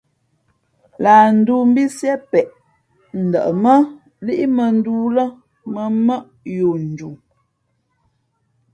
Lah ndōō mbí Sié peʼ ndαʼmά líʼ mᾱᾱndōō lά mᾱ mmάʼ yo nju.